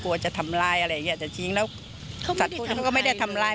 กลัวจะทำร้ายอะไรอย่างเงี้แต่จริงแล้วสัตว์พวกนี้เขาก็ไม่ได้ทำร้าย